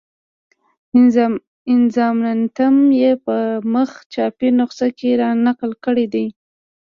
اظماننتم یې په مخ چاپي نسخه کې را نقل کړی دی.